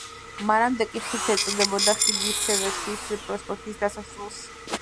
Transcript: მანამდე კი ხიდს ეწოდებოდა „ხიდი სივერსის პროსპექტის დასასრულს“.